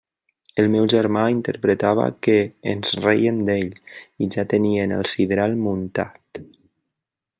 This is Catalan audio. El meu germà interpretava que ens rèiem d'ell, i ja teníem el sidral muntat.